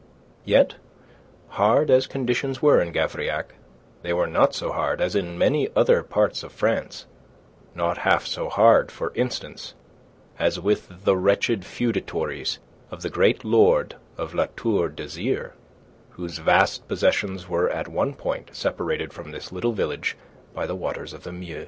Yet, hard as conditions were in Gavrillac, they were not so hard as in many other parts of France, not half so hard, for instance, as with the wretched feudatories of the great Lord of La Tour d'Azyr, whose vast possessions were at one point separated from this little village by the waters of the Meu.